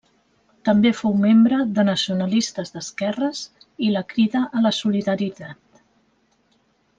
També fou membre de Nacionalistes d'Esquerres i la Crida a la Solidaritat.